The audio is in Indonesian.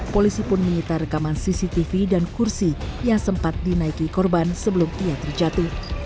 polisi pun menyita rekaman cctv dan kursi yang sempat dinaiki korban sebelum ia terjatuh